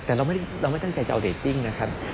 แต่เราไม่ตั้งใจจะเอาเรตติ้งนะครับ